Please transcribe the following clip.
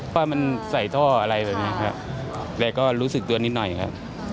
ว่ามันใส่ท่ออะไรแบบนี้ครับแล้วก็รู้สึกตัวนิดหน่อยครับ